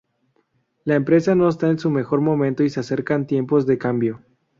La empresa no está en su mejor momento y se acercan tiempos de cambio.